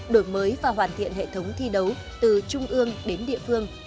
đổi mới và hoàn thiện hệ thống thi đấu từ trung ương đến địa phương